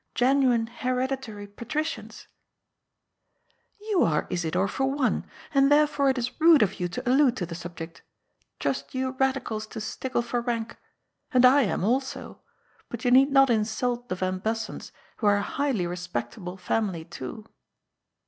"Genuine hereditary Patri cians ?"" You are, Isidor, for one, and therefore it is rude of you to allude to the subject. Trust you Badicals to stickle for rank. And I am, also. But you need not insult the yan Bussens, who are a highly respectable family too."